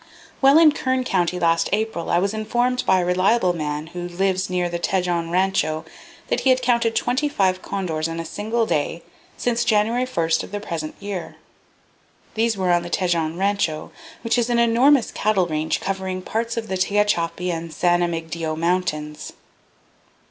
"While in Kern County last April, I was informed by a reliable man who lives near the Tejon Rancho that he had counted twenty five condors in a single day, since January 1 of the present year. These were on the Tejon Rancho, which is an enormous cattle range covering parts of the Tehachapi and San Emigdio Mountains.